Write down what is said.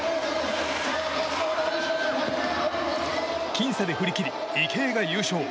僅差で振り切り、池江が優勝。